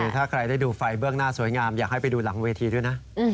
ถ้าใครได้ดูไฟเบื้องหน้าสวยงามอยากให้ไปดูหลังเวทีด้วยนะ